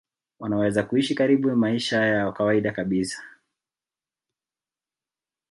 wanaweza kuishi karibu maisha ya kawaida kabisa